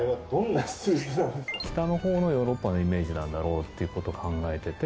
北のほうのヨーロッパのイメージなんだろうっていうこと考えてて。